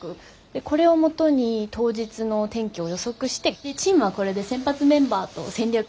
これをもとに当日の天気を予測してチームはこれで先発メンバーと戦略を決めたりもするんですよ。